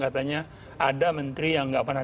katanya ada menteri yang nggak pernah